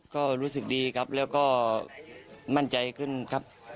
ก็รู้สึกดีครับแล้วก็มั่นใจขึ้นครับ